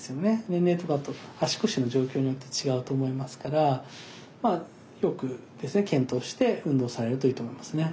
年齢とかあと足腰の状況によって違うと思いますからよく検討して運動されるといいと思いますね。